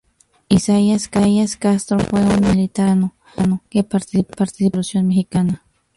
Isaías Castro fue un militar mexicano que participó en la Revolución mexicana.